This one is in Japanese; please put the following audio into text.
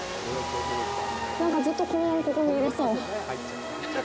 なんかずっとこのままここにいれそう。